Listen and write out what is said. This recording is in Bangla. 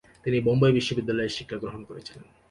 তিনি বোম্বাই বিশ্ববিদ্যালয়ে শিক্ষাগ্রহণ করেছিলেন।